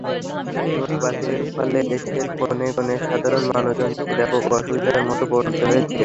Note বাতিলের ফলে দেশের কোণে কোণে সাধারণ মানুষজনকে ব্যাপক অসুবিধার মধ্যে পড়তে হয়েছে।